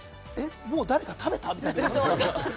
もう誰か食べた？みたいな。